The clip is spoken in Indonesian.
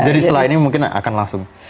jadi setelah ini mungkin akan langsung